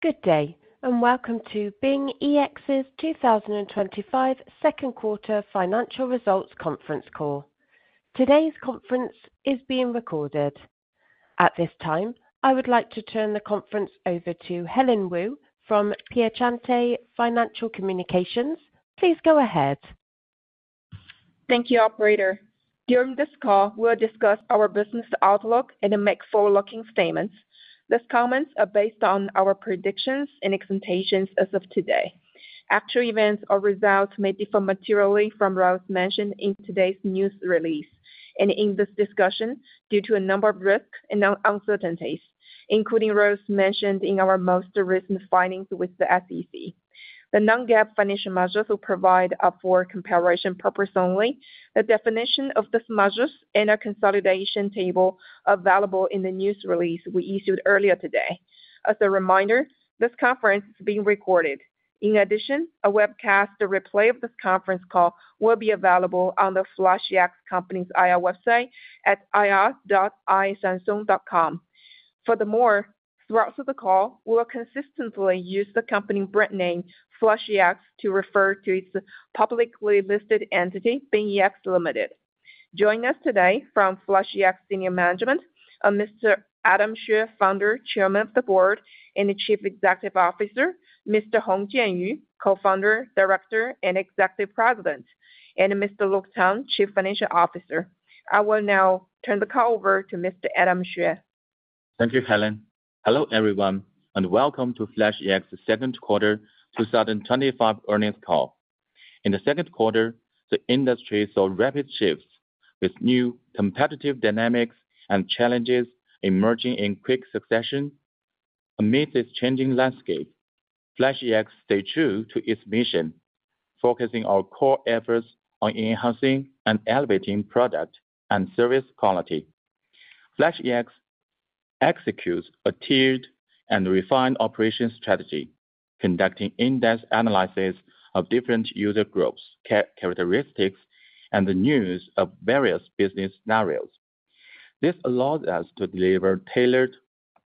Good day, and welcome to BingEx's 2025 second quarter financial results conference call. Today's conference is being recorded. At this time, I would like to turn the conference over to Helen Wu from Piacente Financial Communication. Please go ahead. Thank you, operator. During this call, we will discuss our business outlook and make forward-looking statements. These comments are based on our predictions and expectations as of today. Actual events or results may differ materially from those mentioned in today's news release, and in this discussion, due to a number of risks and uncertainties, including those mentioned in our most recent filings with the SEC. The non-GAAP financial measures we provide are for comparison purposes only. The definition of these measures and a reconciliation table are available in the news release we issued earlier today. As a reminder, this conference is being recorded. In addition, a webcast replay of this conference call will be available on the FlashEx IR website at ir.bingex.com. Furthermore, throughout the call, we will consistently use the company brand name FlashEx to refer to its publicly listed entity, BingEx Limited. Joining us today from FlashEx Senior Management are Mr. Adam Xue, Founder and Chairman of the Board, and the Chief Executive Officer, Mr. Hongjian Yu, Co-Founder, Director, and Executive President, and Mr. Le Tang, Chief Financial Officer. I will now turn the call over to Mr. Adam Xue. Thank you, Helen. Hello everyone, and welcome to FlashEx's second quarter 2025 earnings call. In the second quarter, the industry saw rapid shifts, with new competitive dynamics and challenges emerging in quick succession. Amidst this changing landscape, FlashEx stayed true to its mission, focusing our core efforts on enhancing and elevating product and service quality. FlashEx executes a tailored and refined operations strategy, conducting in-depth analysis of different user groups, characteristics, and the needs of various business scenarios. This allows us to deliver tailored,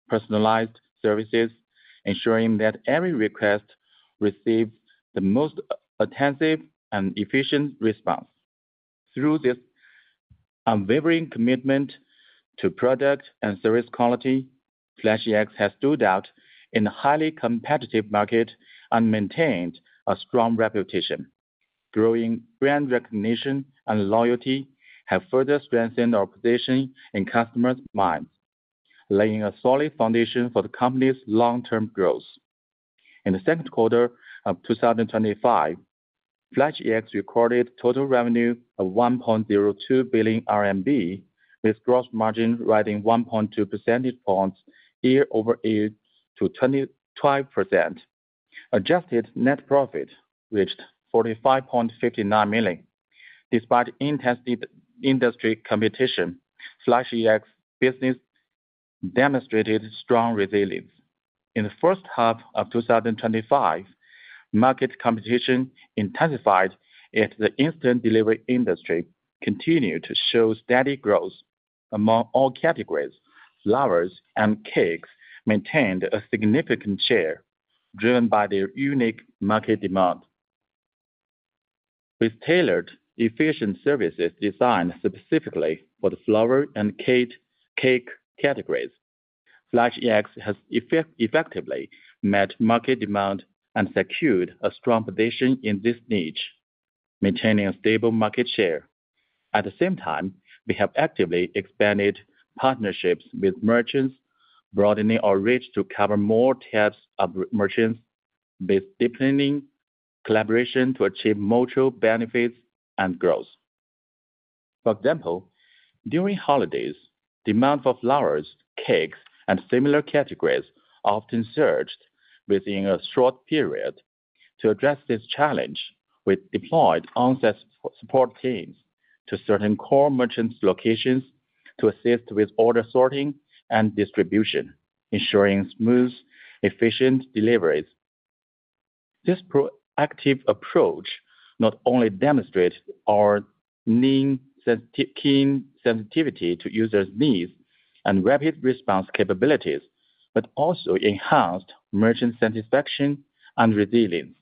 personalized services, ensuring that every request receives the most attentive and efficient response. Through this unwavering commitment to product and service quality, FlashEx has stood out in a highly competitive market and maintained a strong reputation. Growing brand recognition and loyalty have further strengthened our position in customers' minds, laying a solid foundation for the company's long-term growth. In the second quarter of 2025, FlashEx recorded a total revenue of 1.02 billion RMB, with gross margin rising 1.2% year-over-year to 22%. Adjusted net profit reached 45.59 million. Despite intense industry competition, FlashEx business demonstrated strong resilience. In the first half of 2025, market competition intensified, yet the instant delivery industry continued to show steady growth among all categories. Flowers and cakes maintained a significant share, driven by their unique market demand. With tailored efficient services designed specifically for the flower and cake categories, FlashEx has effectively met market demand and secured a strong position in this niche, maintaining a stable market share. At the same time, we have actively expanded merchant partnerships, broadening our reach to cover more types of merchants, with deepening collaboration to achieve mutual benefits and growth. For example, during holidays, demand for flowers, cakes, and similar categories often surged within a short period. To address this challenge, we deployed on-site support teams to certain core merchants' locations to assist with order sorting and distribution, ensuring smooth, efficient deliveries. This proactive approach not only demonstrates our keen sensitivity to users' needs and rapid response capabilities, but also enhanced merchant satisfaction and operational resilience,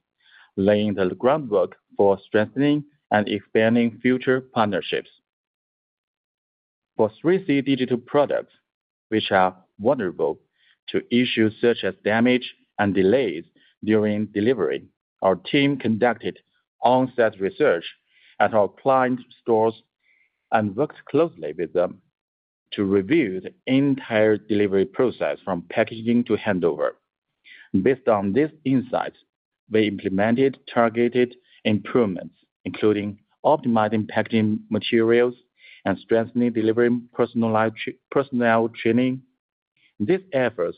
laying the groundwork for strengthening and expanding future partnerships. For 3C digital products, which are vulnerable to issues such as damage and delays during delivery, our team conducted on-site research at our client stores and worked closely with them to review the entire delivery process from packaging to handover. Based on these insights, we implemented targeted improvements, including optimizing packaging materials and strengthening delivery personnel training. These efforts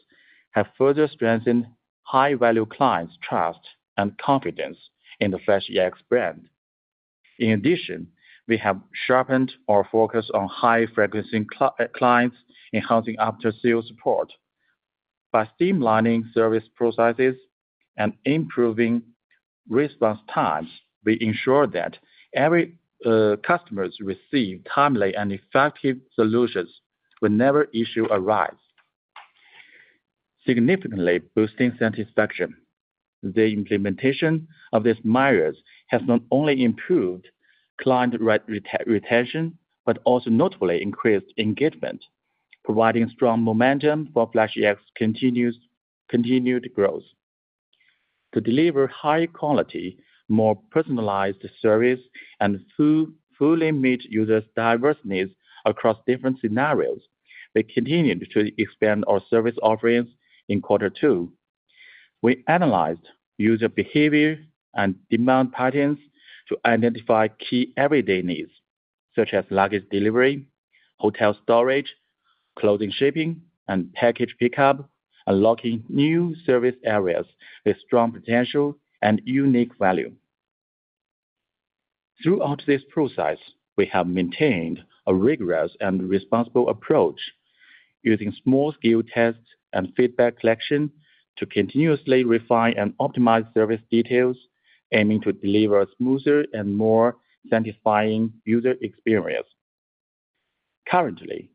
have further strengthened high-value clients' trust and confidence in the FlashEx brand. In addition, we have sharpened our focus on high-frequency clients, enhancing after-sales support. By streamlining service processes and improving response times, we ensure that every customer receives timely and effective solutions whenever an issue arises, significantly boosting satisfaction. The implementation of these measures has not only improved client retention but also notably increased engagement, providing strong momentum for FlashEx continued growth. To deliver high-quality, more personalized services and fully meet users' diverse needs across different scenarios, we continued to expand our service offerings in Q2. We analyzed user behavior and demand patterns to identify key everyday needs, such as luggage delivery, hotel storage, clothing shipping, and package pickup, unlocking new service areas with strong potential and unique value. Throughout this process, we have maintained a rigorous and responsible approach, using small-scale tests and feedback collection to continuously refine and optimize service details, aiming to deliver a smoother and more satisfying user experience. Currently,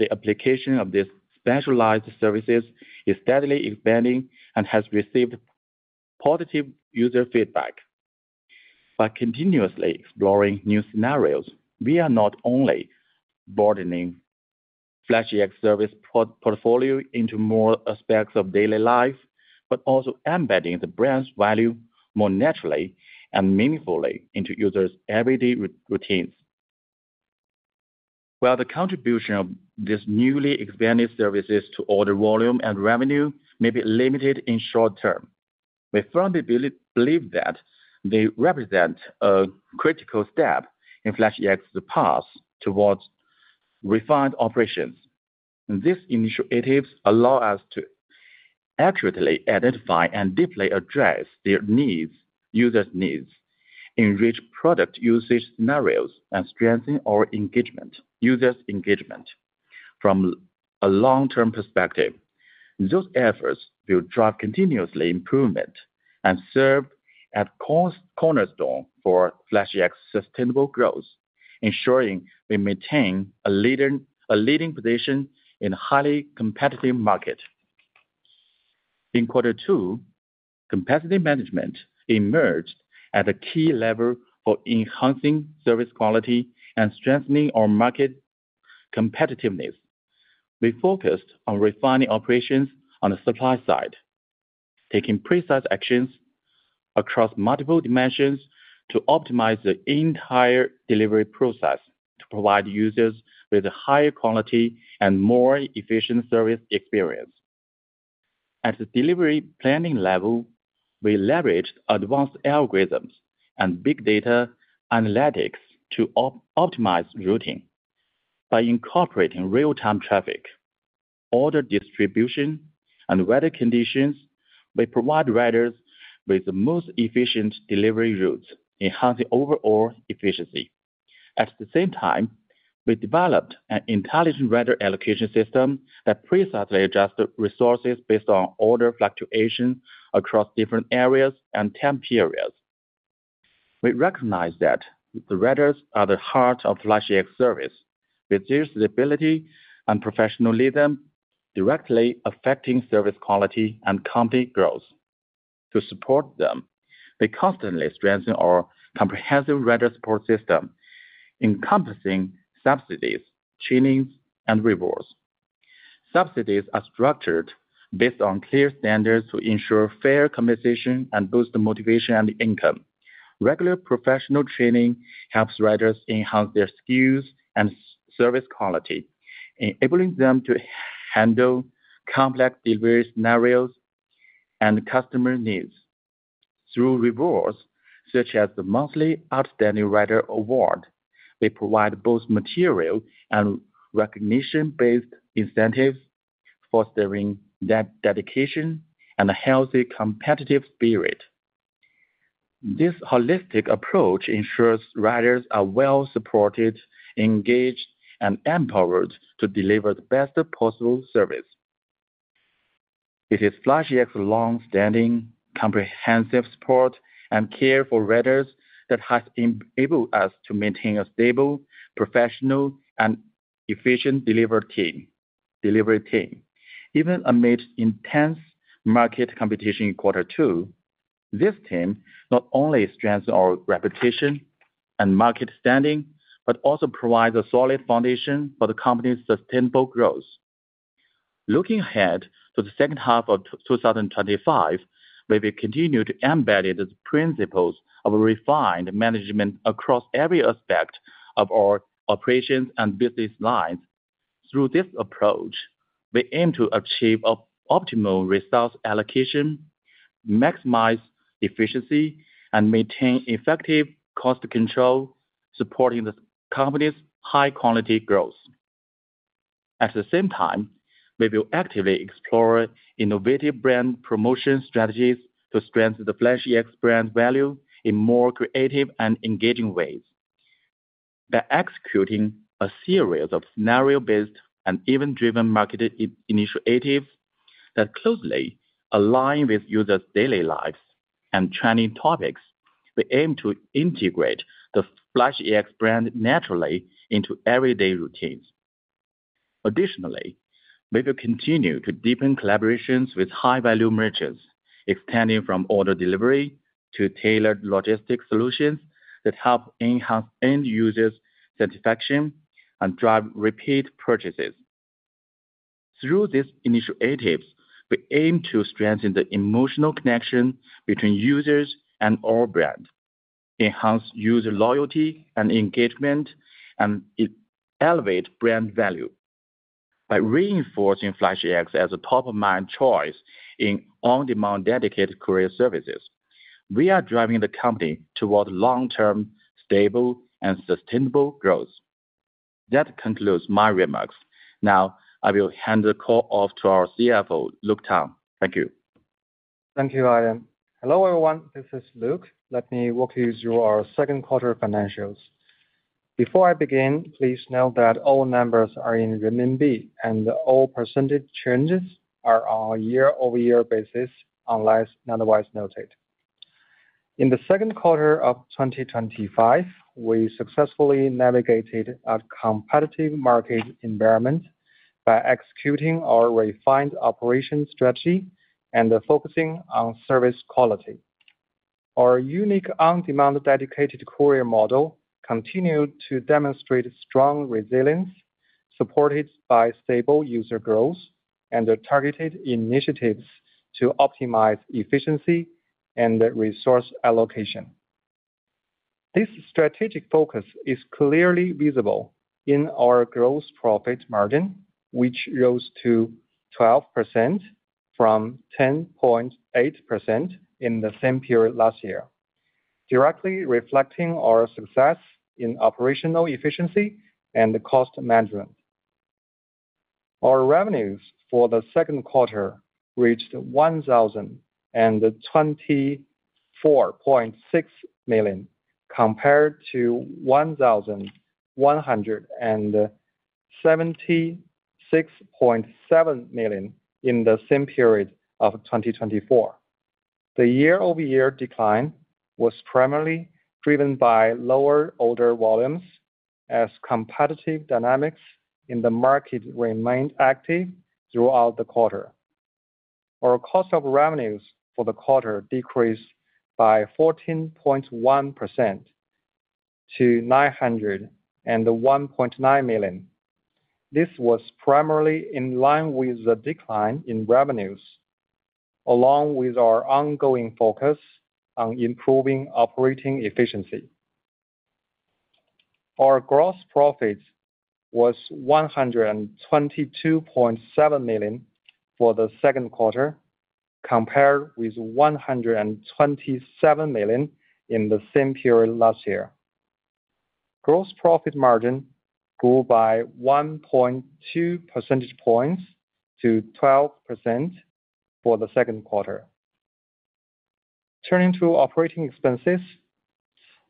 the application of these specialized services is steadily expanding and has received positive user feedback. By continuously exploring new scenarios, we are not only broadening FlashEx's service portfolio into more aspects of daily life, but also embedding the brand's value more naturally and meaningfully into users' everyday routines. While the contribution of these newly expanded services to order volume and revenue may be limited in the short term, we firmly believe that they represent a critical step in FlashEx's path towards refined operations. These initiatives allow us to accurately identify and deeply address users' needs, enrich product usage scenarios, and strengthen our engagement, users' engagement. From a long-term perspective, those efforts will drive continuous improvement and serve as a cornerstone for FlashEx's sustainable growth, ensuring we maintain a leading position in a highly competitive market. In Q2, competitive management emerged as a key lever for enhancing service quality and strengthening our market competitiveness. We focused on refining operations on the supply side, taking precise actions across multiple dimensions to optimize the entire delivery process to provide users with a higher quality and more efficient service experience. At the delivery planning level, we leveraged advanced algorithms and big data analytics to optimize routing. By incorporating real-time traffic, order distribution, and weather conditions, we provide riders with the most efficient delivery routes, enhancing overall efficiency. At the same time, we developed an intelligent rider allocation system that precisely adjusts resources based on order fluctuations across different areas and time periods. We recognize that the riders are the heart of FlashEx service, with their stability and professionalism directly affecting service quality and company growth. To support them, we constantly strengthen our comprehensive rider support system, encompassing subsidies, trainings, and rewards. Subsidies are structured based on clear standards to ensure fair compensation and boost motivation and income. Regular professional training helps riders enhance their skills and service quality, enabling them to handle complex delivery scenarios and customer needs. Through rewards, such as the monthly Outstanding Rider Award, we provide both material and recognition-based incentives, fostering dedication and a healthy competitive spirit. This holistic approach ensures riders are well-supported, engaged, and empowered to deliver the best possible service. It is FlashEx's long-standing, comprehensive support and care for riders that has enabled us to maintain a stable, professional, and efficient delivery team. Even amidst intense market competition in Q2, this team not only strengthens our reputation and market standing but also provides a solid foundation for the company's sustainable growth. Looking ahead to the second half of 2025, we will continue to embed these principles of refined management across every aspect of our operations and business lines. Through this approach, we aim to achieve optimal resource allocation, maximize efficiency, and maintain effective cost control, supporting the company's high-quality growth. At the same time, we will actively explore innovative brand promotion strategies to strengthen the FlashEx brand value in more creative and engaging ways. By executing a series of scenario-based and event-driven marketing initiatives that closely align with users' daily lives and trending topics, we aim to integrate the FlashEx brand naturally into everyday routines. Additionally, we will continue to deepen collaborations with high-value merchants, extending from order delivery to tailored logistics solutions that help enhance end-user satisfaction and drive repeat purchases. Through these initiatives, we aim to strengthen the emotional connection between users and our brand, enhance user loyalty and engagement, and elevate brand value. By reinforcing FlashEx as a top-of-mind choice in on-demand dedicated courier services, we are driving the company toward long-term, stable, and sustainable growth. That concludes my remarks. Now, I will hand the call off to our CFO, Luke Tang. Thank you. Thank you, Adam. Hello everyone, this is Luke. Let me walk you through our second quarter financials. Before I begin, please note that all numbers are in renminbi, and all percentage changes are on a year-over-year basis unless otherwise noted. In the second quarter of 2025, we successfully navigated a competitive market environment by executing our refined operations strategy and focusing on service quality. Our unique on-demand dedicated courier model continued to demonstrate strong resilience, supported by stable user growth and targeted initiatives to optimize efficiency and resource allocation. This strategic focus is clearly visible in our gross margin, which rose to 12% from 10.8% in the same period last year, directly reflecting our success in operational efficiency and cost management. Our revenues for the second quarter reached 1,024.6 million, compared to 1,176.7 million in the same period of 2024. The year-over-year decline was primarily driven by lower order volumes, as competitive dynamics in the market remained active throughout the quarter. Our cost of revenues for the quarter decreased by 14.1% to 901.9 million. This was primarily in line with the decline in revenues, along with our ongoing focus on improving operating efficiency. Our gross profit was 122.7 million for the second quarter, compared with 127 million in the same period last year. Gross margin grew by 1.2 percentage points to 12% for the second quarter. Turning to operating expenses,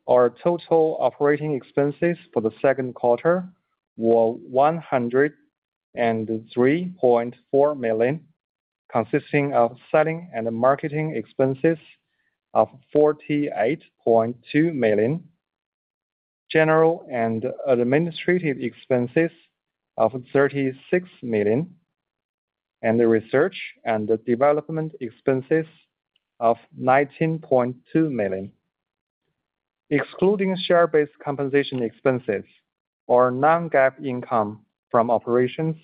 our total operating expenses for the second quarter were 103.4 million, consisting of selling and marketing expenses of 48.2 million, general and administrative expenses of 36 million, and research and development expenses of 19.2 million. Excluding share-based compensation expenses, our non-GAAP income from operations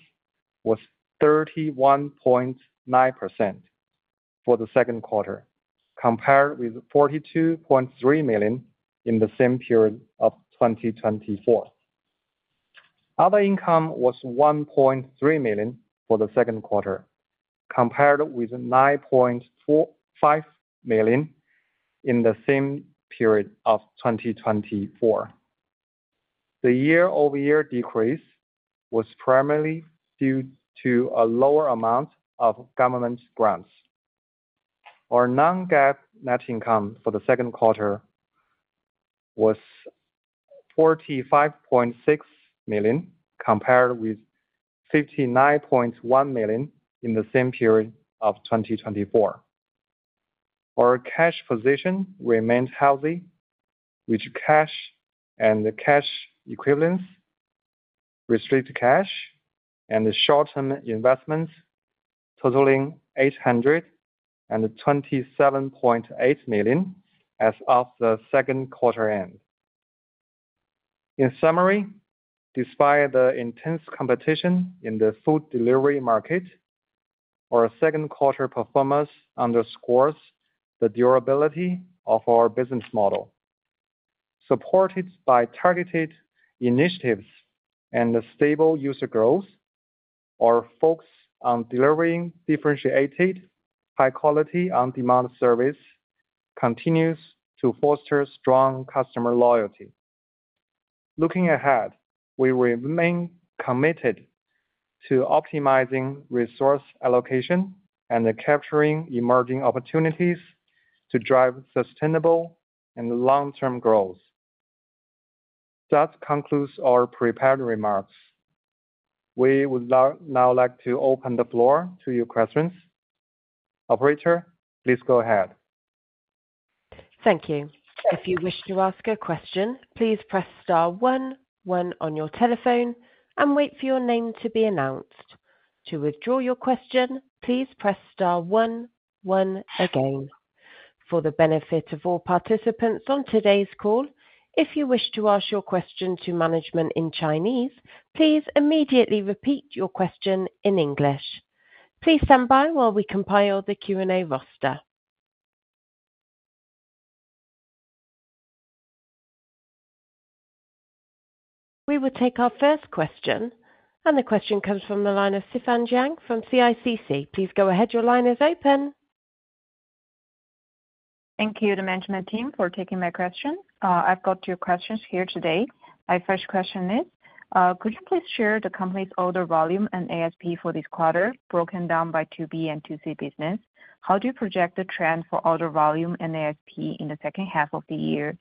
was 31.9 million for the second quarter, compared with 42.3 million in the same period of 2024. Other income was RMB 1.3 million for the second quarter, compared with RMB 9.45 million in the same period of 2024. The year-over-year decrease was primarily due to a lower amount of government grants. Our non-GAAP net income for the second quarter was 45.6 million, compared with 59.1 million in the same period of 2024. Our cash position remained healthy, with cash and cash equivalents, restricted cash, and short-term investments totaling 827.8 million as of the second quarter end. In summary, despite the intense competition in the food delivery market, our second quarter performance underscores the durability of our business model. Supported by targeted initiatives and stable user growth, our focus on delivering differentiated, high-quality, on-demand service continues to foster strong customer loyalty. Looking ahead, we remain committed to optimizing resource allocation and capturing emerging opportunities to drive sustainable and long-term growth. That concludes our prepared remarks. We would now like to open the floor to your questions. Operator, please go ahead. Thank you. If you wish to ask a question, please press star one on your telephone and wait for your name to be announced. To withdraw your question, please press star one again. For the benefit of all participants on today's call, if you wish to ask your question to management in Chinese, please immediately repeat your question in English. Please stand by while we compile the Q&A roster. We will take our first question, and the question comes from the line of Sifan Jiang from CICC. Please go ahead, your line is open. Thank you to the management team for taking my question. I've got two questions here today. My first question is, could you please share the company's order volume and ASP for this quarter, broken down by 2B and 2C business? How do you project the trend for order volume and ASP in the second half of the year?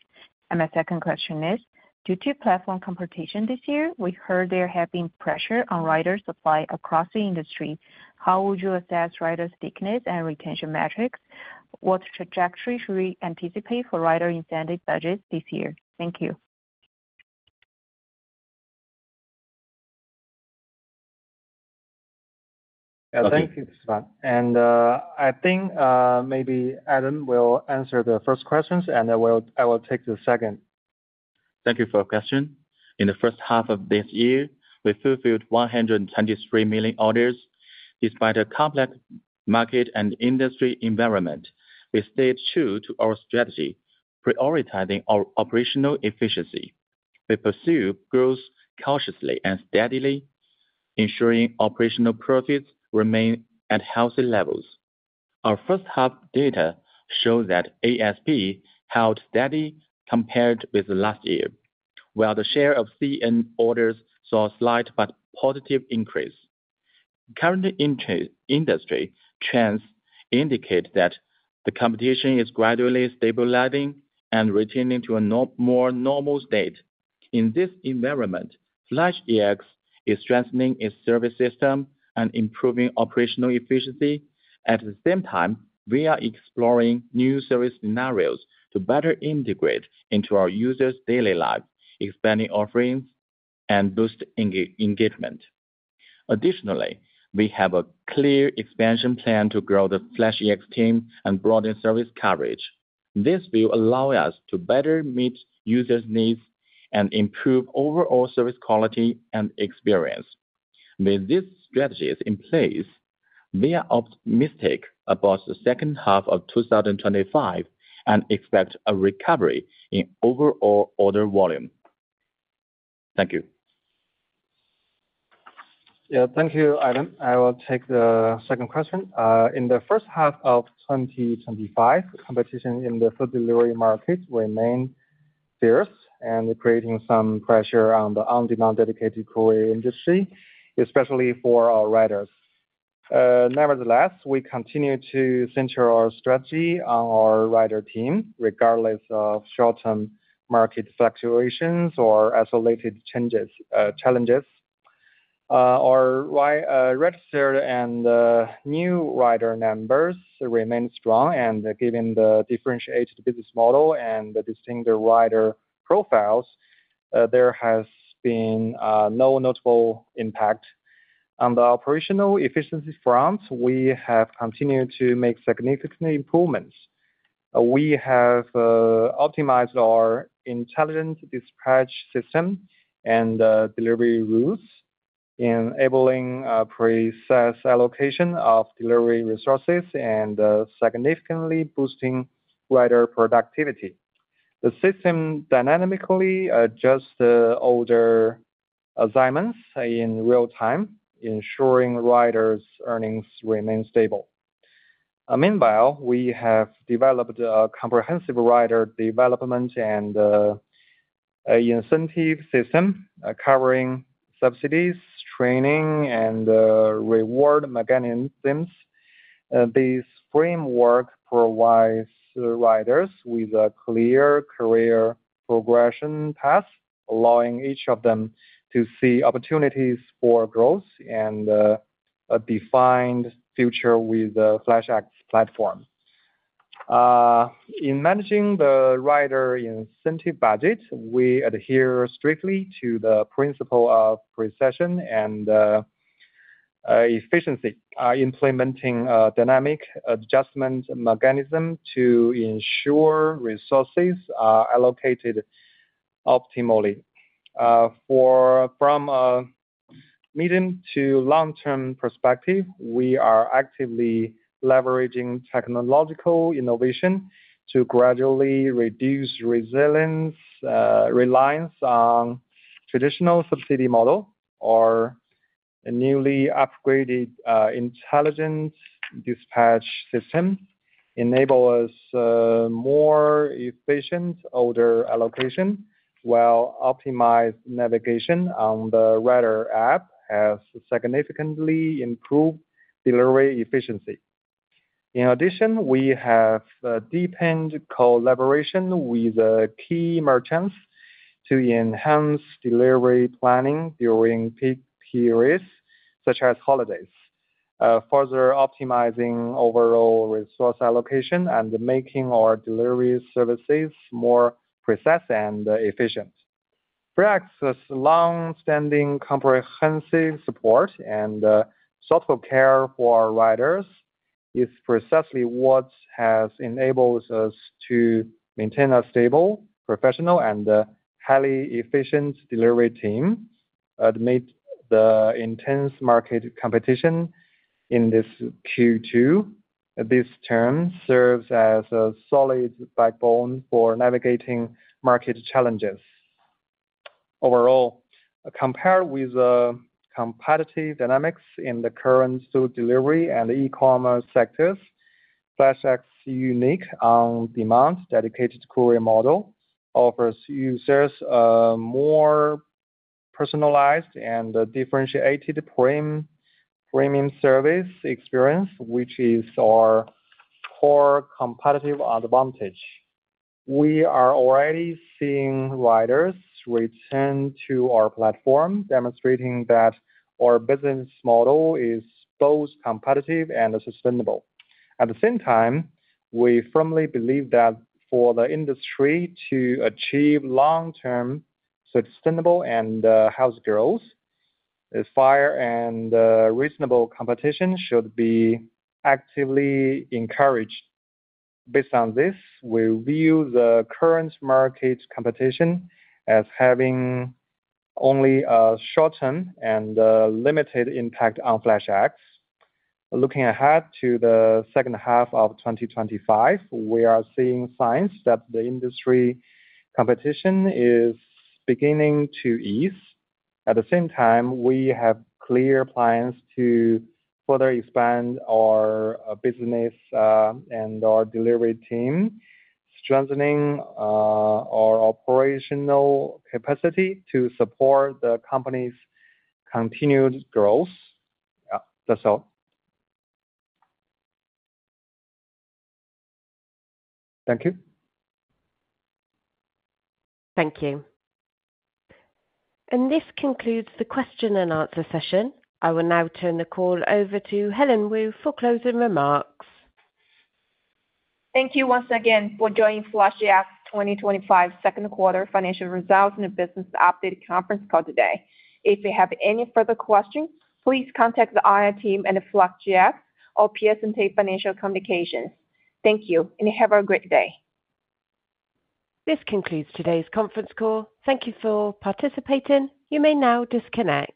My second question is, due to platform competition this year, we heard there have been pressure on rider supply across the industry. How would you assess rider stickiness and retention metrics? What trajectory should we anticipate for rider incentive budgets this year? Thank you. Thank you, Sifan. I think maybe Adam Xue will answer the first question, and I will take the second. Thank you for your question. In the first half of this year, we fulfilled 123 million orders. Despite a complex market and industry environment, we stayed true to our strategy, prioritizing our operational efficiency. We pursued growth cautiously and steadily, ensuring operational profits remain at healthy levels. Our first half data shows that ASP held steady compared with last year, while the share of CM orders saw a slight but positive increase. Current industry trends indicate that the competition is gradually stabilizing and returning to a more normal state. In this environment, FlashEx is strengthening its service system and improving operational efficiency. At the same time, we are exploring new service scenarios to better integrate into our users' daily lives, expanding offerings, and boosting engagement. Additionally, we have a clear expansion plan to grow the FlashEx team and broaden service coverage. This will allow us to better meet users' needs and improve overall service quality and experience. With these strategies in place, we are optimistic about the second half of 2025 and expect a recovery in overall order volume. Thank you. Thank you, Adam. I will take the second question. In the first half of 2025, competition in the food delivery market remains fierce and creating some pressure on the on-demand dedicated courier industry, especially for our riders. Nevertheless, we continue to center our strategy on our rider team, regardless of short-term market fluctuations or isolated challenges. Our registered and new rider numbers remain strong, and given the differentiated business model and the distinct rider profiles, there has been no notable impact. On the operational efficiency front, we have continued to make significant improvements. We have optimized our intelligent dispatch system and delivery routes, enabling precise allocation of delivery resources and significantly boosting rider productivity. The system dynamically adjusts the order assignments in real time, ensuring riders' earnings remain stable. Meanwhile, we have developed a comprehensive rider development and incentive system covering subsidies, training, and reward mechanisms. This framework provides riders with a clear career progression path, allowing each of them to see opportunities for growth and a defined future with the FlashEx platform. In managing the rider incentive budget, we adhere strictly to the principle of precision and efficiency, implementing a dynamic adjustment mechanism to ensure resources are allocated optimally. From a medium to long-term perspective, we are actively leveraging technological innovation to gradually reduce reliance on traditional subsidy models or a newly upgraded intelligent dispatch system. It enables more efficient order allocation while optimized navigation on the rider app has significantly improved delivery efficiency. In addition, we have deepened collaboration with key merchants to enhance delivery planning during peak periods, such as holidays, further optimizing overall resource allocation and making our delivery services more precise and efficient. FlashX's longstanding comprehensive support and thoughtful care for our riders is precisely what has enabled us to maintain a stable, professional, and highly efficient delivery team. Amid the intense market competition in this Q2, this term serves as a solid backbone for navigating market challenges. Overall, compared with the competitive dynamics in the current food delivery and e-commerce sectors, FlashEx's unique on-demand dedicated courier model offers users a more personalized and differentiated premium service experience, which is our core competitive advantage. We are already seeing riders return to our platform, demonstrating that our business model is both competitive and sustainable. At the same time, we firmly believe that for the industry to achieve long-term sustainable and healthy growth, fair and reasonable competition should be actively encouraged. Based on this, we view the current market competition as having only a short-term and limited impact of FlashEx. Looking ahead to the second half of 2025, we are seeing signs that the industry competition is beginning to ease. At the same time, we have clear plans to further expand our business and our delivery team, strengthening our operational capacity to support the company's continued growth. That's all. Thank you. Thank you. This concludes the question and answer session. I will now turn the call over to Helen Wu for closing remarks. Thank you once again for joining FlashEx 2025 second quarter financial results and business update conference call today. If you have any further questions, please contact the IT team at FlashEx or Piacente Financial Communication. Thank you, and have a great day. This concludes today's conference call. Thank you for participating. You may now disconnect.